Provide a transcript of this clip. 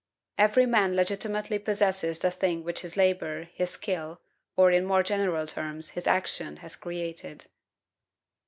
"Every man legitimately possesses the thing which his labor, his skill, or, in more general terms, his action, has created."